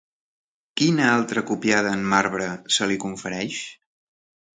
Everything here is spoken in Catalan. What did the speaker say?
Quina altra copiada en marbre se li confereix?